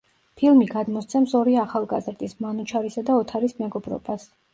ფილმი გადმოსცემს ორი ახალგაზრდის, მანუჩარისა და ოთარის მეგობრობას.